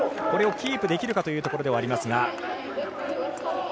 これをキープできるかというところではありますが。